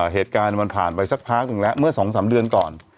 เหตุการณ์มันผ่านไปสักพักหนึ่งแล้วเมื่อ๒๓เดือนก่อน